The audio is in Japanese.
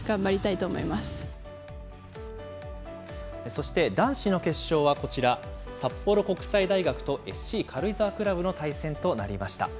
そして、男子の決勝はこちら、札幌国際大学とＳＣ軽井沢クラブの対戦となりました。